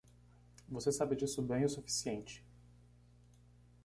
Você sabe disso bem o suficiente.